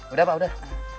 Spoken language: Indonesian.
udah pak udah